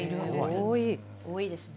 多いですよね。